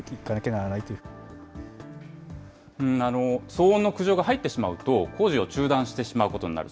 騒音の苦情が入ってしまうと、工事を中断してしまうことになる。